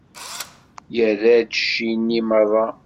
Irra-d cci-nni meṛṛa.